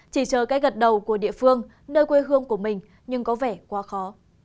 chỉ chờ cái gật đầu của địa phương nơi quê hương của mình nhưng có vẻ quá khó